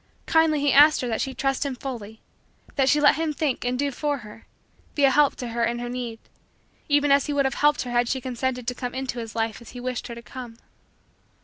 Kindly he asked that she trust him fully that she let him think and do for her be a help to her in her need even as he would have helped her had she consented to come into his life as he wished her to come.